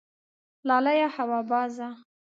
لالیه هوا بازه